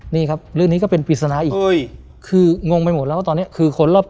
นี่ครับเรื่องนี้ก็เป็นปริศนาอีกคืองงไปหมดแล้วว่าตอนนี้คือคนรอบ